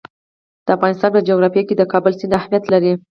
د افغانستان په جغرافیه کې د کابل سیند اهمیت لري.